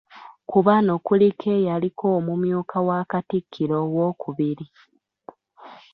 Ku bano kuliko eyaliko omumyuka wa Katikkiro owookubiri.